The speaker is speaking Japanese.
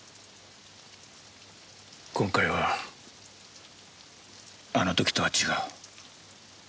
今回はあの時とは違う。